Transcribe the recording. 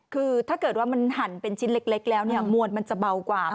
คือถ้าเกิดว่ามันหั่นเป็นชิ้นเล็กแล้วเนี่ยมวลมันจะเบากว่า